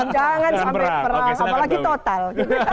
jangan sampai perang apalagi total